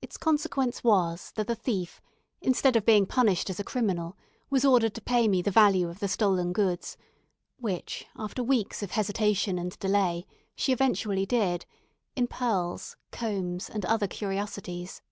Its consequence was, that the thief, instead of being punished as a criminal, was ordered to pay me the value of the stolen goods; which, after weeks of hesitation and delay, she eventually did, in pearls, combs, and other curiosities.